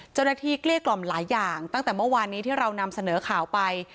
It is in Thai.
เกลี้ยกล่อมหลายอย่างตั้งแต่เมื่อวานนี้ที่เรานำเสนอข่าวไป